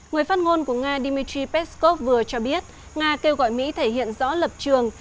người phát ngôn của nga dmitry peskov vừa cho biết nga kêu gọi mỹ thể hiện rõ lập trường